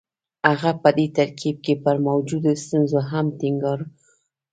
هغه په دې ترکيب کې پر موجودو ستونزو هم ټينګار وکړ.